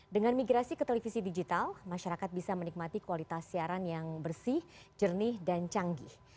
dengan migrasi ke televisi digital masyarakat bisa menikmati kualitas siaran yang bersih jernih dan canggih